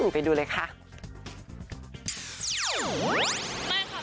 ไปดูเลยค่ะ